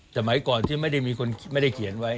สมัยก่อนที่ไม่ได้มีคนไม่ได้เขียนไว้